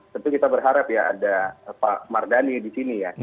tentu kita berharap ya ada pak mardani di sini ya